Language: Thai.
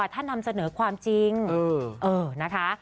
ถ้านำเสนอความจริงนะคะ